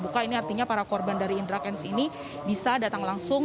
dan terbuka ini artinya para korban dari indra kents ini bisa datang langsung